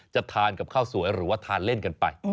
จะทานกับข้าวสวยหรือว่าทานเล่นกันไป